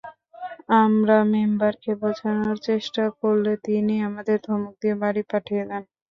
আমরা মেম্বারকে বোঝানোর চেষ্টা করলে তিনি আমাদের ধমক দিয়ে বাড়ি পাঠিয়ে দেন।